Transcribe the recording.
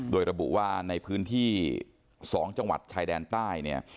โดยระบุว่าในพื้นที่สองจังหวัดชายแดนใต้